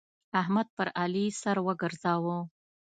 احمد پر علي سر وګرځاوو.